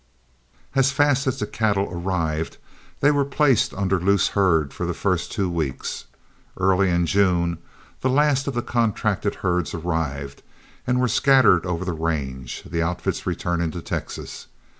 As fast as the cattle arrived they were placed under loose herd for the first two weeks. Early in June the last of the contracted herds arrived and were scattered over the range, the outfits returning to Texas.